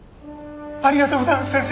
ありがとうございます先生。